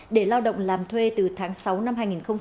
để lao động làm thuê từ tháng sáu năm hai nghìn một mươi chín